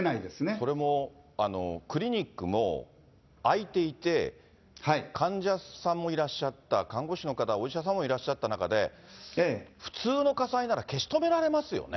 それもクリニックも開いていて、患者さんもいらっしゃった、看護師の方、お医者さんもいらっしゃった中で、普通の火災なら消し止められますよね。